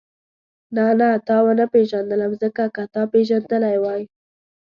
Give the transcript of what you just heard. نه نه تا ونه پېژندلم ځکه که تا پېژندلې وای.